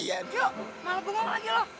yuk malah gue mau lagi loh